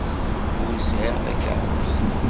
Ur sɛiɣ takeṛṛust.